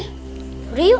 om rt bangun